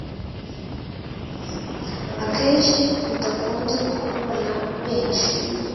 akenshi bidakunze gukorwa na benshi